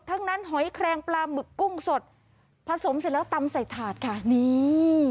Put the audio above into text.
ทั้งนั้นหอยแครงปลาหมึกกุ้งสดผสมเสร็จแล้วตำใส่ถาดค่ะนี่